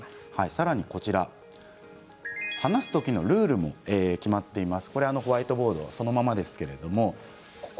さらに話す時のルールも決まっています。